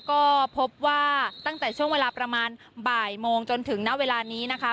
ก็พบว่าตั้งแต่ช่วงเวลาประมาณบ่ายโมงจนถึงณเวลานี้นะคะ